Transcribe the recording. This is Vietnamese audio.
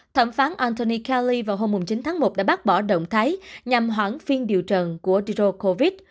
thẩm phán anthony kelly vào hôm chín tháng một đã bác bỏ động thái nhằm hoãn phiên điều trần của jokovic